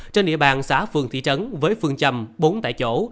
trên địa bàn xã phường thị trấn với phương châm bốn tại chỗ